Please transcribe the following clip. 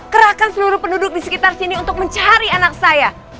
kerahkan seluruh penduduk disekitar sini untuk mencari anak saya